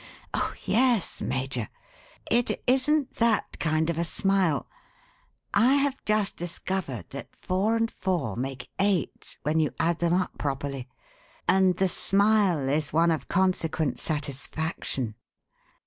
"Oh, yes, Major. It isn't that kind of a smile. I have just discovered that four and four make eight when you add them up properly; and the smile is one of consequent satisfaction.